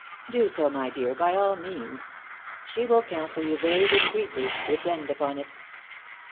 " Do so, my dear, by all means. She will counsel you very discreetly, depend upon it."